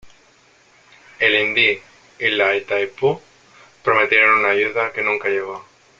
El Indi y la Itaipú prometieron una ayuda que nunca llegó.